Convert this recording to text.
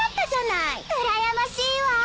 うらやましいわ。